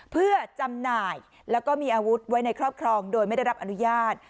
เพื่อจำหน่ายแล้วก็มีอาวุธไว้ในครอบครองโดยไม่ได้รับอนุญาต